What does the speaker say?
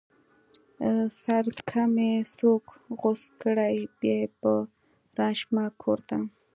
سر که مې څوک غوڅ کړې بيا به رانشمه کور ته